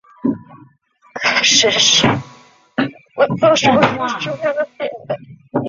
但汉街也有很多现代西式的建筑。